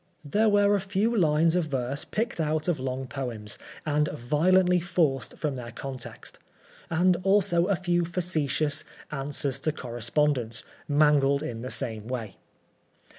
There were a few lines of verse picked out of long poems, and violently forced from their context ; and also a few facetious "Answers to Correspondents," mangled in the same way.